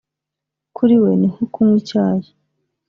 kuri we ni nko kunywa icyayi